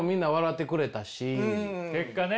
結果ね。